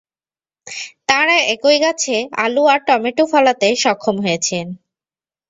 তাঁরা একই গাছে আলু আর টমেটো ফলাতে সক্ষম হয়েছেন।